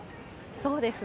そうですね。